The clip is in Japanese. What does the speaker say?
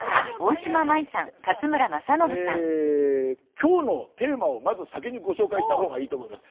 今日のテーマをまず先にご紹介したほうがいいと思います。